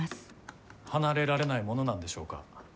離れられないものなんでしょうか。